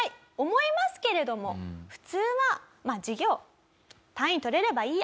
思いますけれども普通はまあ授業単位取れればいいや。